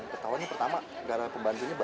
pertahannya pertama gara pembantunya bau